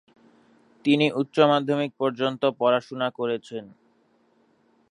তিনি উচ্চ মাধ্যমিক পর্যন্ত পড়াশুনা করেছেন।